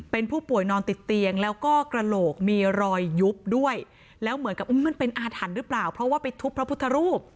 เป็นผู้ป่วยนอนติดเตียงแล้วก็กระโหลกมีรอยยุบด้วยแล้วเหมือนกับมันเป็นอาถรรพ์หรือเปล่าเพราะว่าไปทุบพระพุทธรูป